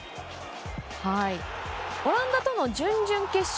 オランダとの準々決勝。